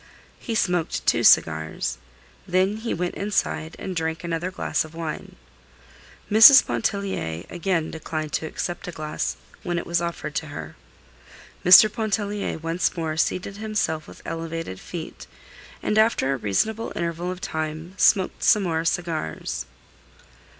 He smoked two cigars; then he went inside and drank another glass of wine. Mrs. Pontellier again declined to accept a glass when it was offered to her. Mr. Pontellier once more seated himself with elevated feet, and after a reasonable interval of time smoked some more cigars.